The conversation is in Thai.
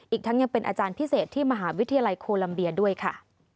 อีกทั้งยังเป็นอาจารย์พิเศษที่มหาวิทยาลัยโคลัมเบียด้วยค่ะ